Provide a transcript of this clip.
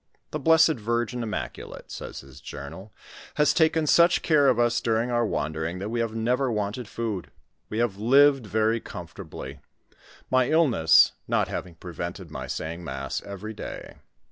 "The Blessed Virgin Im maculate," says bin journal, " has taken such care of us during our wandering, that we have never wanted food: we have lived very comfortably; my illness not having prevented my saying mass every day."